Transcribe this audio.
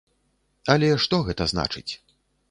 Але што гэта значыць?